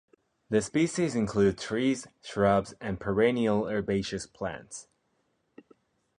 The species include trees, shrubs and perennial herbaceous plants.